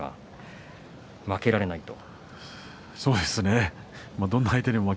負けられないと。